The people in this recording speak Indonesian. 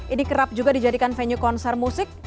ini kerap juga dijadikan venue konser musik